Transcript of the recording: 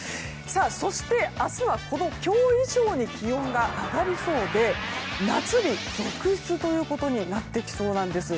そして、明日は今日以上に気温が上がりそうで夏日続出ということになってきそうなんです。